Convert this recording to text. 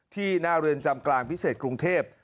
หน้าเรือนจำกลางพิเศษกรุงเทพ